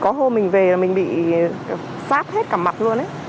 có hôm mình về là mình bị sát hết cả mặt luôn ấy